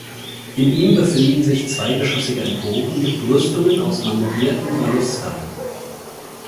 In ihm befinden sich zweigeschossige Emporen mit Brüstungen aus marmorierten Balustern.